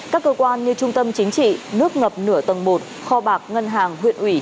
các cơ quan như trung tâm chính trị nước ngập nửa tầng một kho bạc ngân hàng huyện ủy